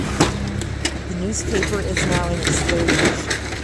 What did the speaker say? The newspaper is now in its third edition.